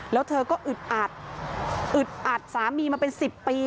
แล้วเธอก็อึดอัดอึดอัดสามีมาเป็น๑๐ปี